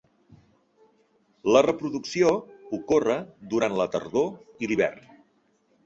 La reproducció ocorre durant la tardor i l'hivern.